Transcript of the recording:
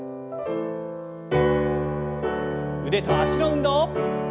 腕と脚の運動。